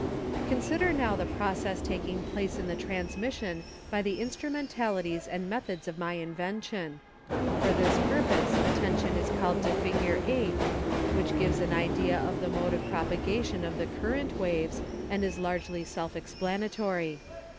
Consider now the process taking place in the transmission by the instrumentalities and methods of my invention. For this purpose attention is called to Fig. 8, which gives an idea of the mode of propagation of the current waves and is largely self explanatory.